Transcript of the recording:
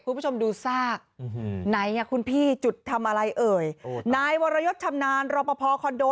คุณผู้ชมดูซากไหนอ่ะคุณพี่จุดทำอะไรเอ่ยนายวรยศชำนาญรอปภคอนโด